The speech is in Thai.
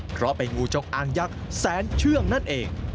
เพราะเป็นงูจงอางยักษ์แสนเชื่องนั่นเอง